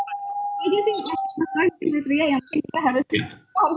itu aja sih mas rangit mery triya yang mungkin kita harus